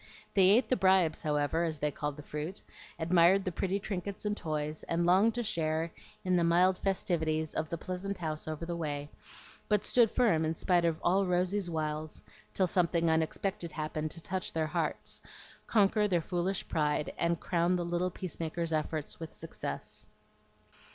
They ate the "bribes," however, as they called the fruit, admired the pretty trinkets and toys, and longed to share in the mild festivities of the pleasant house over the way, but stood firm in spite of all Rosy's wiles, till something unexpected happened to touch their hearts, conquer their foolish pride, and crown the little peacemaker's efforts with success.